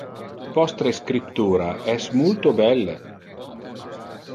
Vostre scriptura es multo belle.